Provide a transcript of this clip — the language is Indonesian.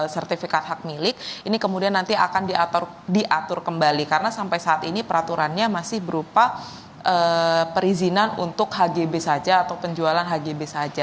sertifikat hak milik ini kemudian nanti akan diatur kembali karena sampai saat ini peraturannya masih berupa perizinan untuk hgb saja atau penjualan hgb saja